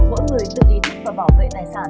mỗi người tự ý thức và bảo vệ tài sản